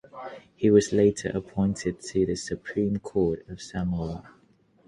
He was later appointed to the Supreme Court of Samoa.